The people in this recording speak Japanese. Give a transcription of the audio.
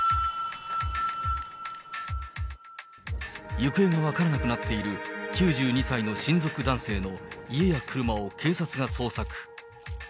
行方が分からなくなっている、９２歳の親族男性の家や車を警察が捜索。